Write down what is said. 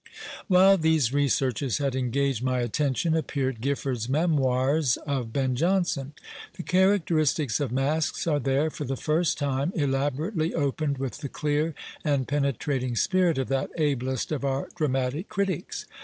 While these researches had engaged my attention, appeared Gifford's Memoirs of Ben Jonson. The characteristics of Masques are there, for the first time, elaborately opened with the clear and penetrating spirit of that ablest of our dramatic critics.